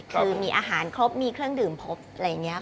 คือมีอาหารครบมีเครื่องดื่มครบอะไรอย่างนี้